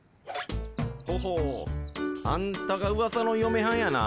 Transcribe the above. ほほうあんたがウワサのよめはんやな。